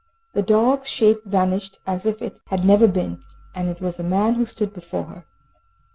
The dog's shape vanished as if it had never been, and it was a man who stood before her.